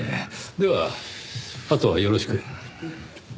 ではあとはよろしく。